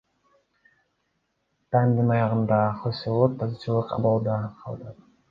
Таймдын аягында Хосилот азчылык абалда калды.